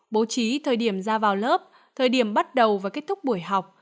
bố trí thời điểm ra vào lớp thời điểm bắt đầu và kết thúc buổi học